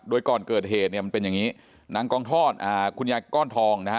โดยก่อนเกิดเหตุด์มันเป็นอย่างนี้นางกองท่อนคุณญายก้อนทองค่ะ